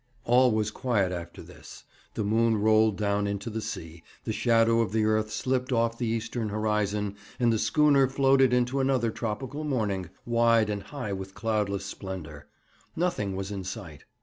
All was quiet after this. The moon rolled down into the sea, the shadow of the earth slipped off the eastern horizon, and the schooner floated into another tropical morning, wide and high with cloudless splendour. Nothing was in sight.